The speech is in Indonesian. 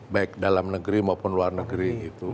baik dalam negeri maupun luar negeri